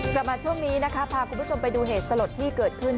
กลับมาช่วงนี้นะคะพาคุณผู้ชมไปดูเหตุสลดที่เกิดขึ้น